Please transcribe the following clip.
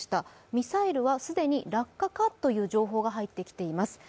ミサイルは既に落下かという情報が入ってきています。